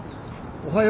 おはよう。